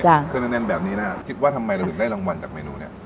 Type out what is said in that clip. เครื่องแน่นแบบนี้นะฮะคิดว่าทำไมเราถึงได้รางวัลจากเมนูเนี้ย